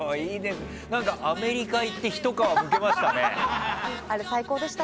何かアメリカ行ってひと皮むけましたね。